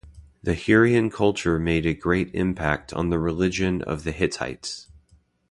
The Hurrian culture made a great impact on the religion of the Hittites.